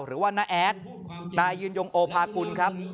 หรือว่าน้าแอดนายยืนยงโอภากุลครับ